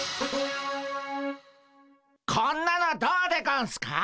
こんなのどうでゴンスか？